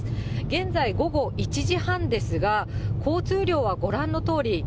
現在、午後１時半ですが、交通量はご覧のとおり。